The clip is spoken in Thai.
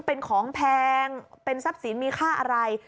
เป็นของแพงเป็นทรัพย์สินมีค่าอะไร